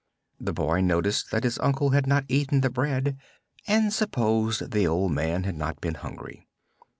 The boy noticed that his uncle had not eaten the bread, and supposed the old man had not been hungry.